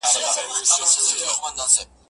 چي پوره یې کړه د خپل سپي ارمانونه,